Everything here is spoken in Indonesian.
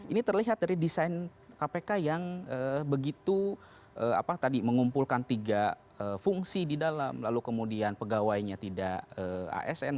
ini terlihat dari desain kpk yang begitu mengumpulkan tiga fungsi di dalam lalu kemudian pegawainya tidak asn